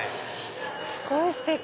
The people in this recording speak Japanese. すごいステキ！